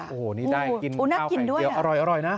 โอ้โหนี่ได้กินข้าวไข่เจียวอร่อยนะ